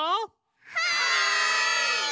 はい！